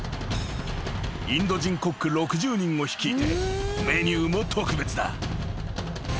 ［インド人コック６０人を率いてメニューも特別だ］